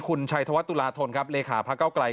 คุณชัยธวัฒน์ตุลาทนครับเหลขาภักดิ์เกาะไกล